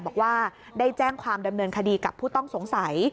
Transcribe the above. บอกว่าได้แจ้งความดำเนินคดีกับผู้ต้องสงสัย